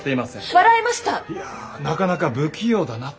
いやなかなか不器用だなと。